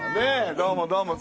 どうもどうも。